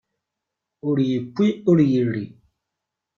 Ur iwwi, ur irri.